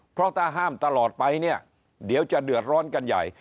เพราะถ้าห้ามตลอดไปเนี่ยเดี๋ยวจะเดือดร้อนกันใหญ่